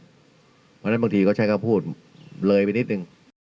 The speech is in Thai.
เพราะฉะนั้นบางทีเขาใช้คำพูดเลยไปนิดนึง